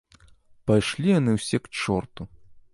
Пайшлі яны ўсе к чорту.